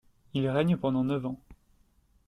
Il règne pendant neuf ans.